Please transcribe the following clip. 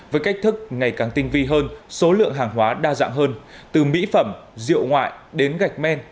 với cách thức ngày càng tinh vi hơn số lượng hàng hóa đa dạng hơn từ mỹ phẩm rượu ngoại đến gạch men